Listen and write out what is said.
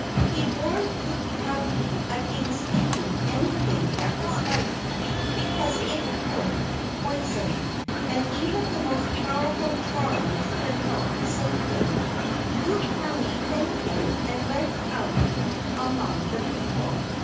He warned Kukali against eating any¬ thing that was ripe, because it would be poison, and even the most powerful charms could not save him. Kukali thanked him and went out among the people.